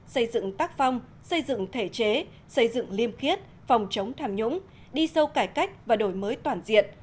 xây dựng tác phong xây dựng thể chế xây dựng liêm khiết phòng chống tham nhũng đi sâu cải cách và đổi mới toàn diện